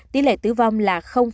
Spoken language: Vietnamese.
tỷ lệ tử vong là một mươi chín